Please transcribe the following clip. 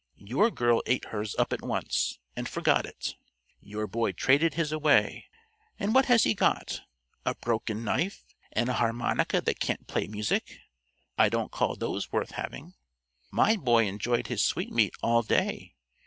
Your girl ate hers up at once, and forgot it. Your boy traded his away; and what has he got? A broken knife, and a harmonica that can't play music. I don't call those worth having. My boy enjoyed his sweetmeat all day.